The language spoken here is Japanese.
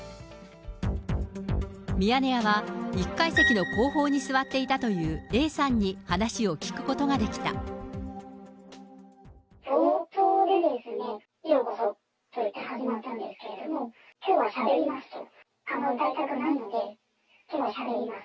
ミヤネ屋は１階席の後方に座っていたというＡさんに話を聞くこと冒頭で、ようこそといって始まったんですけれども、きょうはしゃべりますと、あんまり歌いたくないので、きょうはしゃべります、